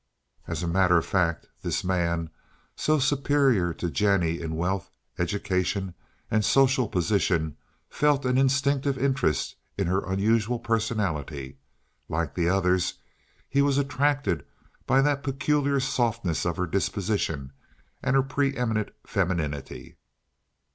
As a matter of fact, this man, so superior to Jennie in wealth, education, and social position, felt an instinctive interest in her unusual personality. Like the others, he was attracted by the peculiar softness of her disposition and her pre eminent femininity.